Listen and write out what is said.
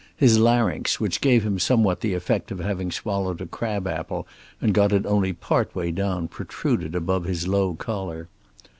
His larynx, which gave him somewhat the effect of having swallowed a crab apple and got it only part way down, protruded above his low collar.